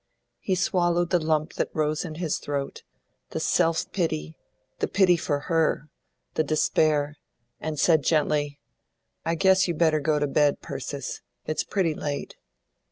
He swallowed the lump that rose in his throat, the self pity, the pity for her, the despair, and said gently, "I guess you better go to bed, Persis. It's pretty late."